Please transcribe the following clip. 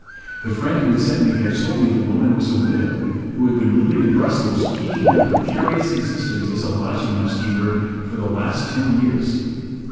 The friend who had sent me had told me the woman was a widow, who had been living in Brussels eking out a precarious existence as a lodging house keeper for the last ten years.